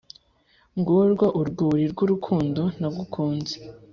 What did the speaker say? Ngurwo urwuri rwurukundo nagukunze